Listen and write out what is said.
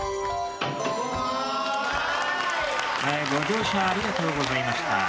ご乗車ありがとうございました。